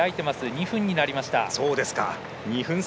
２分になりました。